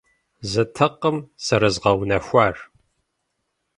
Зэтэкъым зэрызгъэунэхуар.